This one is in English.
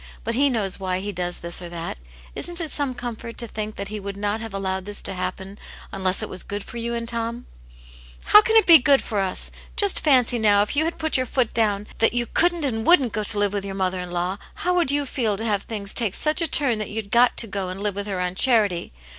But He knows why He does this or that. Isn't it some comfort to think that He would not have allowed this to happen unless it was good for you and Tom ?"" How can it be good for us ? Just fancy now, if you had put your foot down that you couldn't and wouldn't go to live with your mother in law, how you would feel to have things take such a turn that you'd got to go and live with her on charity?